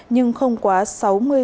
nhưng không quá sáu mươi giờ